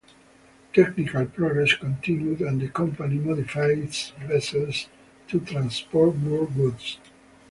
Technical progress continued and the company modified its vessels to transport more goods.